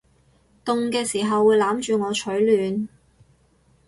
凍嘅時候會攬住我取暖